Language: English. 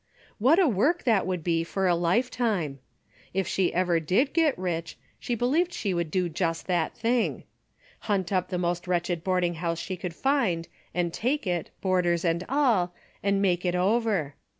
What a work that would be for a lifetime ! If she ever did get rich, she be lie v^ed she would do just that thing. Hunt up the most wretched boarding house she could find and takedt, boarders and all, and make it over.